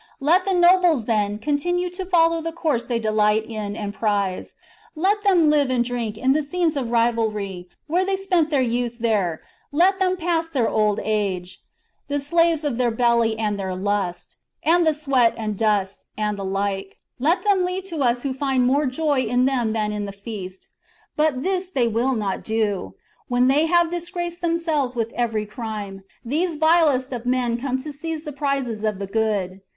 Let the nobles, then, continue to follow the course they delight in and prize ; 2l6 THE JUGURTHINE WAR. CHAP, let them live and drink ; in the scenes of rivalry where they spent their youth there let them pass their old age, the slaves of their belly and their lust ; and the sweat and dust, and the like, let them leave to us who find more joy in them than in the feast. But this they will not do. When they have disgraced themselves with evefy crime, these vilest of men come to seize the prizes of the good.